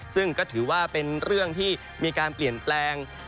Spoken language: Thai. ซึ่งก็ถือว่าเป็นเรื่องที่มีการเปลี่ยนแปลง